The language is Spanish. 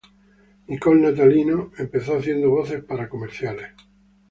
Nicole Natalino empezó haciendo voces para comerciales.